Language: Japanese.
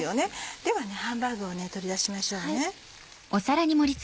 ではハンバーグを取り出しましょうね。